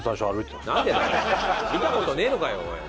見た事ねえのかよおい。